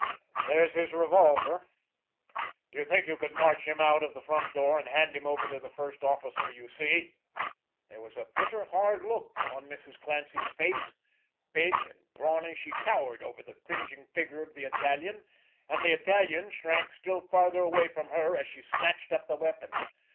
There's his revolver. Do you think you could march him out of the front door, and hand him over to the first officer you see?" There was a bitter, hard look on Mrs. Clancy's face. Big and brawny, she towered over the cringing figure of the Italian—and the Italian shrank still farther away from her, as she snatched up the weapon.